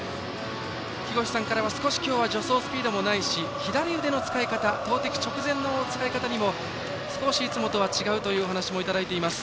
木越さんからは少し今日は助走スピードもないし左腕の使い方投てき直前の使い方にも少しいつもとは違うという話もいただいています。